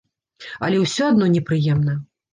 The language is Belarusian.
Але ўсё адно непрыемна.